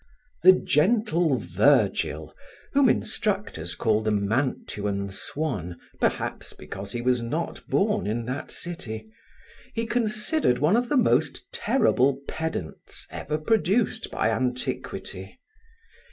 The gentle Vergil, whom instructors call the Mantuan swan, perhaps because he was not born in that city, he considered one of the most terrible pedants ever produced by antiquity.